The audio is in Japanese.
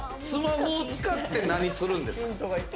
スマホを使って何するんですか？